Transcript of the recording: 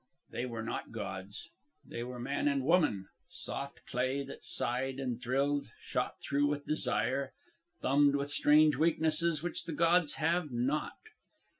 They were not gods. They were man and woman soft clay that sighed and thrilled, shot through with desire, thumbed with strange weaknesses which the gods have not."